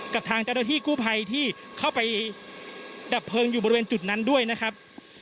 กับทางเจ้าหน้าที่กู้ภัยที่เข้าไปดับเพลิงอยู่บริเวณจุดนั้นด้วยนะครับ